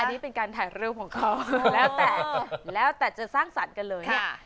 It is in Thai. อันนี้เป็นการถ่ายรูปของเขาแล้วแต่แล้วแต่จะสร้างสรรค์กันเลยเนี่ย